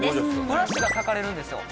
フラッシュがたかれるんですよ。